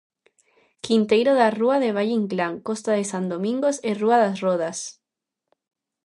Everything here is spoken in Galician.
Quinteiro da Rúa de Valle Inclán, Costa de San Domingos e Rúa das Rodas.